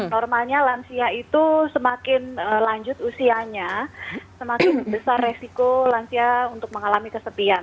normalnya lansia itu semakin lanjut usianya semakin besar resiko lansia untuk mengalami kesepian